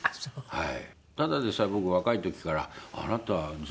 はい。